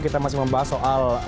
kita masih membahas soal